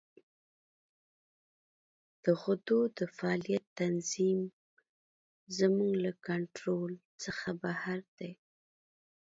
د غدو د فعالیت تنظیم زموږ له کنترول څخه بهر دی.